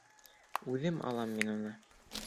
Үҙем алам мин уны.